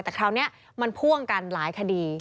แต่คราวนี้มันพ่วงกันหลายคดี